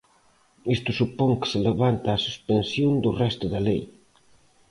Isto supón que se levanta a suspensión do resto da lei.